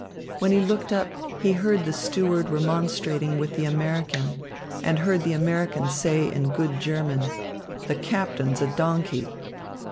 When he looked up, he heard the steward remonstrating with the American and heard the American say in good German: "The captain's a donkey."